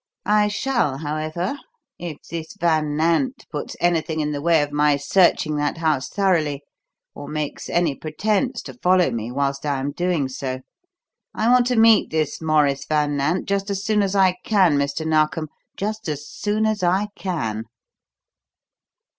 I shall, however, if this Van Nant puts anything in the way of my searching that house thoroughly or makes any pretence to follow me whilst I am doing so. I want to meet this Maurice Van Nant just as soon as I can, Mr. Narkom, just as soon as I can."